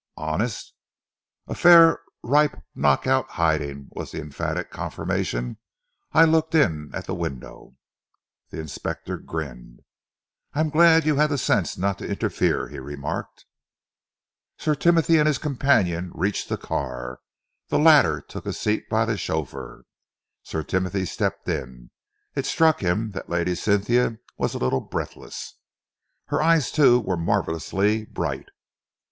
"Honest?" "A fair, ripe, knock out hiding," was the emphatic confirmation. "I looked in at the window." The inspector grinned. "I'm glad you had the sense not to interfere," he remarked. Sir Timothy and his companion reached the car. The latter took a seat by the chauffeur. Sir Timothy stepped in. It struck him that Lady Cynthia was a little breathless. Her eyes, too, were marvellously bright.